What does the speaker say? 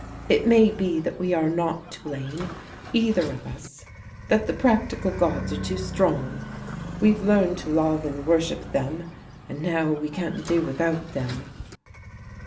It may be that we are not to blame, either of us, that the practical gods are too strong. We've learned to love and worship them, and now we can't do without them."